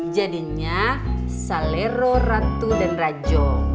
jadinya salero ratu dan rajo